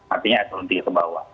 artinya s l tiga ke bawah